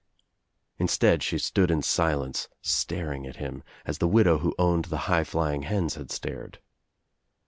Instead shC' stood in silence, staring at him, as the widow who owned the high flying hens had stared.